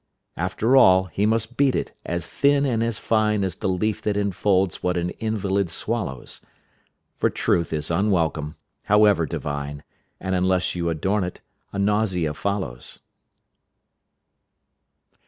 After all he must beat it as thin and as fine As the leaf that enfolds what an invalid swallows, For truth is unwelcome, however divine, And unless you adorn it, a nausea follows.